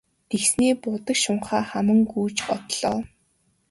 Тэгснээ будаг шунхаа хаман гүйж одлоо.